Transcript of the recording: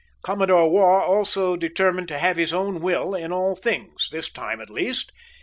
Commodore Waugh also determined to have his own will in all things, this time at least.